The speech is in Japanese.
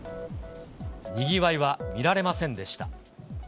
にぎわいは見られませんでした。